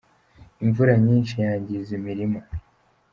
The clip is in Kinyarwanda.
Imvura nyinshi yangiza imirima.